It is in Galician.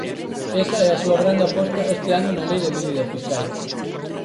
Esa é a súa grande aposta este ano na Lei de medidas fiscais.